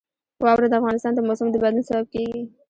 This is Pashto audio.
واوره د افغانستان د موسم د بدلون سبب کېږي.